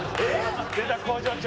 出た工場長。